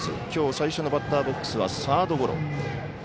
きょう最初のバッターボックスはサードゴロ。